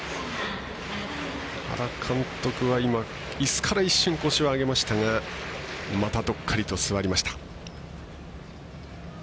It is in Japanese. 原監督はいすから一瞬、腰を上げましたがまた、どっかりと座りました。